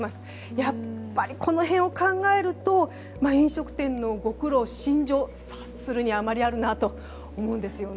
やっぱり、この辺を考えると飲食店のご苦労、心情察するに余りあるなと思いますよね。